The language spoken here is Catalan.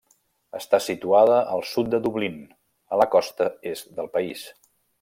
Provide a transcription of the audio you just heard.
Està situada al sud de Dublín, a la costa est del país.